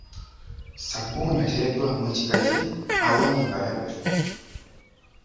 Ssabbuuni ateereddwamu ekigaji awonya embalabe.